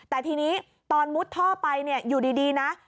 แต่ทีนี้ตอนมุดท่อไปอยู่ดีนะ